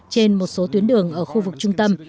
trên một số tuyến đường ở khu vực trung tâm